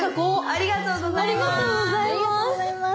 ありがとうございます！